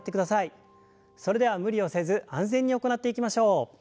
それでは無理をせず安全に行っていきましょう。